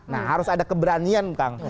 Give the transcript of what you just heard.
nah harus ada keberanian kang